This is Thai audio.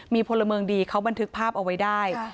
มีพลเมืองดีเขาบันทึกภาพเอาไว้ได้